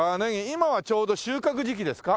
今はちょうど収穫時期ですか？